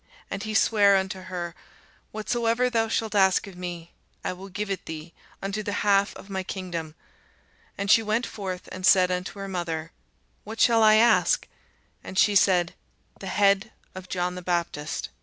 And he sware unto her, Whatsoever thou shalt ask of me, I will give it thee, unto the half of my kingdom. And she went forth, and said unto her mother, What shall I ask? And she said, The head of John the Baptist.